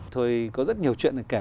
thôi có rất nhiều chuyện để kể